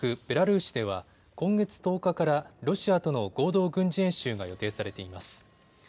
ベラルーシでは今月１０日からロシアとの合同軍事演習が予定されています。